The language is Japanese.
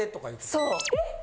そう！